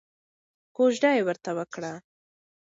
کوژده یې ورته وکړه.